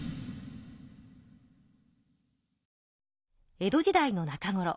江戸時代の中ごろ